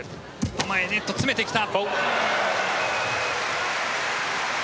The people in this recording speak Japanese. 前、ネット詰めてきた。